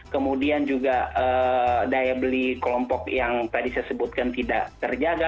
kemudian juga daya beli kelompok yang tadi saya sebutkan tidak terjaga